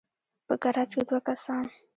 په ګراج کې دوه کسان